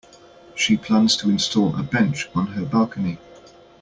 She plans to install a bench on her balcony.